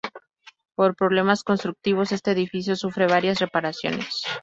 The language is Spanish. Por problemas constructivos este edificio sufre varias reparaciones.